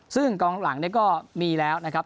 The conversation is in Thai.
ซึ่งกองหลังก็มีแล้วนะครับ